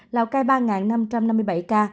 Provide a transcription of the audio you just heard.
lào cai ba năm trăm năm mươi bảy ca